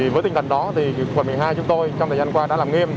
với tinh thần đó quận một mươi hai chúng tôi trong thời gian qua đã làm nghiêm